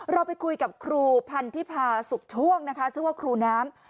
เราไปคุยกับครูพันธิพาสุขช่วงนะคะชื่อว่าครูน้ำ